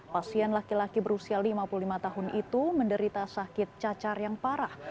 pasien laki laki berusia lima puluh lima tahun itu menderita sakit cacar yang parah